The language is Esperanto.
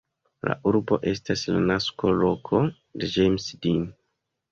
La urbo estas la nasko-loko de James Dean.